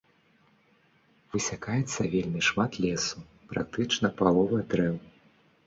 Высякаецца вельмі шмат лесу, практычна палова дрэў.